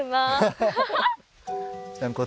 ハハハ！